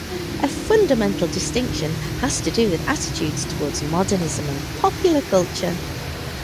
A fundamental distinction has to do with attitudes towards modernism and popular culture.